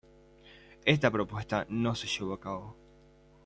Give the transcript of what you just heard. Esta propuesta no se llevó a cabo.